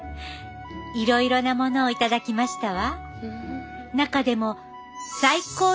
いろいろなものを頂きましたわ。